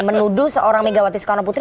menuduh seorang megawati soekarno putri